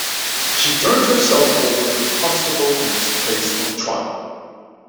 She turned herself over to the constable and was placed on trial.